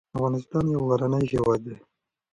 افغانستان يو غرنی هېواد دی